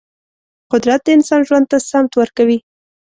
قدرت د انسان ژوند ته سمت ورکوي.